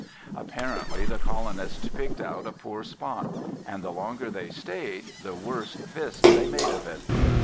Apparently the colonists picked out a poor spot; and the longer they stayed, the worse fist they made of it.